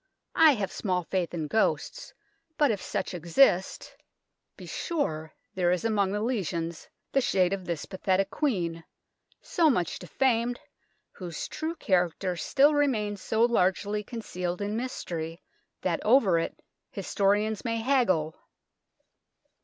I have small faith in ghosts, but if such exist, be sure there is among the legions THE TRAITORS' GATE 57 the shade of this pathetic Queen, so much defamed, whose true character still remains so largely concealed in mystery, that over it historians may haggle.